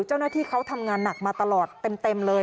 เจ้าหน้าที่เขาทำงานหนักมาตลอดเต็มเลย